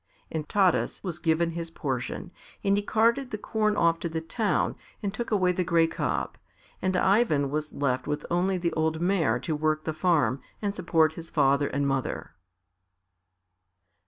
And Taras was given his portion, and he carted the corn off to the town and took away the grey cob, and Ivan was left with only the old mare to work the farm and support his father and mother.